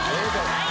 はい。